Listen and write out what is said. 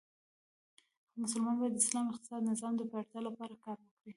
مسلمانان باید د اسلام اقتصادې نظام د پیاوړتیا لپاره کار وکړي.